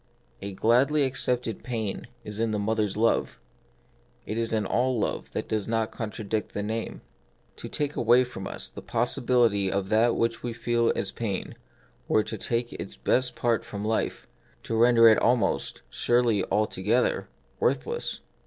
A gladly accepted pain is in the mother's love ; it is in all love that does not contradict the name. To take away from us the possibility of that which we feel as pain were to take its best part from life, to render it almost — surely altogether — worthless.